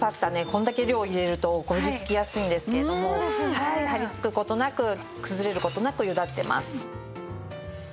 これだけ量入れるとこびりつきやすいんですけれども張りつく事なく崩れる事なく茹だってます。